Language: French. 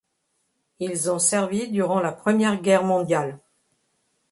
Ils ont servi durant la Première Guerre mondiale.